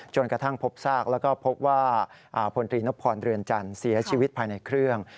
กระทั่งพบซากแล้วก็พบว่าพลตรีนพรเรือนจันทร์เสียชีวิตภายในเครื่อง